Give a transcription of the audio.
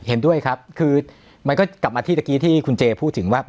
เห็นด้วยครับคือมันก็กลับมาที่ตะกี้ที่คุณเจพูดถึงว่า